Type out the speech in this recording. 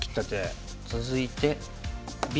続いてＢ。